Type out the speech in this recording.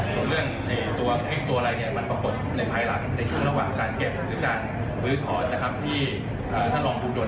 หรือที่เกิดข้อเฉินตัวตามการเวอร์ชันทรีย์๒คน